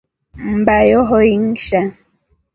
Mmba yohoi inshaa.